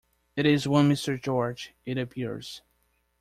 It is one Mr. George, it appears.